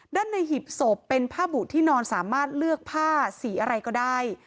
ด้านในหีบศพเป็นผ้าบุที่นอนสามารถเลือกผ้าสีอะไรก็ได้